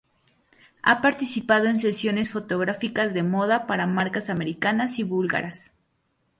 Ha participado en sesiones fotográficas de moda para marcas americanas y búlgaras.